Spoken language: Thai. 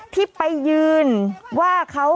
ที่ไปยืนว่าเขา